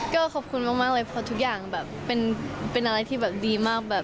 ก็ขอบคุณมากเลยเพราะทุกอย่างเป็นอะไรที่ดีมาก